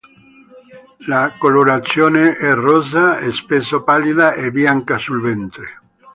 La colorazione è rosa, spesso pallida, e bianca sul ventre.